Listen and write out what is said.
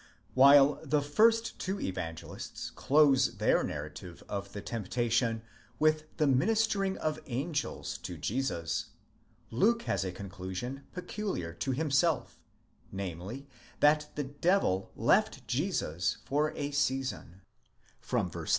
3 While the first two Evangelists close their narrative of the temptation with the ministering of angels to Jesus, Luke has a conclusion peculiar to himself, namely, that the devil left Jesus for @ season, ἄχρι καιροῦ (v.